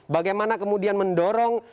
bagaimana kemudian mendorong